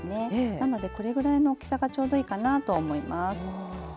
なのでこれぐらいの大きさがちょうどいいかなと思います。